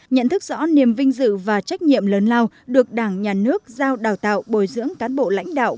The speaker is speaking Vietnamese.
nhận thức rõ niềm vinh dự và trách nhiệm lớn lao được đảng nhà nước giao đào tạo bồi dưỡng cán bộ lãnh đạo